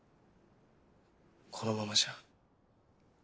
このままじゃ。